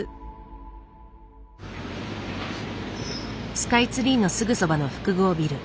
スカイツリーのすぐそばの複合ビル。